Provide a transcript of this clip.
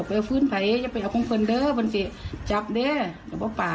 มันสิเป็นหลักของเขากับอาทิตย์ไปพ่อกลุ่มวัยรุ่น